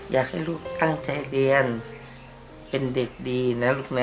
อยากให้ลูกตั้งใจเรียนเป็นเด็กดีนะลูกนะ